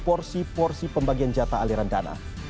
porsi porsi pembagian jatah aliran dana